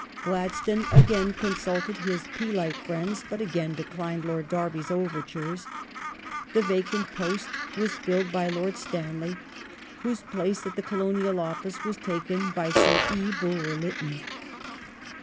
^ Gladstone again con sulted his Peelite friends, but again declined Lord Derby's over tures. The vacant post was filled by Lord Stanley, whose place at the Colonial Office was taken by Sir E. Bulwer Lytton.